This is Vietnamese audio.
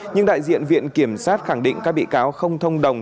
nhưng đại diện viện kiểm sát khẳng định các bị cáo không thông đồng